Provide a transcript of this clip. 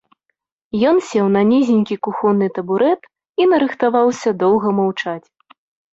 Ён сеў на нізенькі кухонны табурэт і нарыхтаваўся доўга маўчаць.